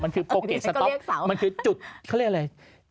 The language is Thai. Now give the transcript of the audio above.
มันคือโปรเกสต๊อกมันคือจุดเขาเรียกอะไร